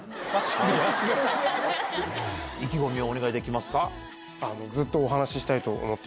意気込みをお願いできますか。